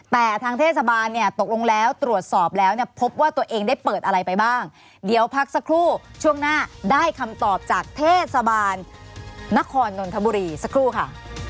แต่ทางเทศบาลเนี่ยตกลงแล้วตรวจสอบแล้วเนี่ยพบว่าตัวเองได้เปิดอะไรไปบ้างเดี๋ยวพักสักครู่ช่วงหน้าได้คำตอบจากเทศบาลนครนนทบุรีสักครู่ค่ะ